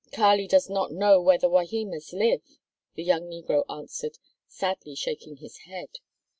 "Kali does not know where the Wahimas live," the young negro answered, sadly shaking his head.